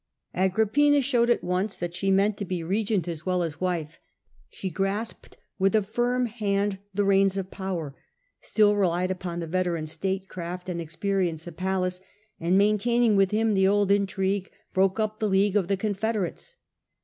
Agrippina showed at once that she meant to be regent who showed grasped with a firm at once her hand the reins of power, still relied upon the rule su veteran statecraft and experience of Pallas, prcme, maintaining with him the old intrigue, broke up the league of the confederates.